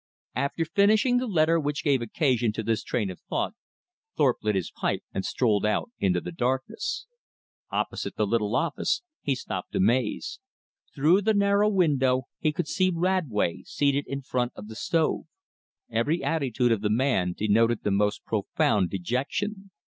After finishing the letter which gave occasion to this train of thought, Thorpe lit his pipe and strolled out into the darkness. Opposite the little office he stopped amazed. Through the narrow window he could see Radway seated in front of the stove. Every attitude of the man denoted the most profound dejection.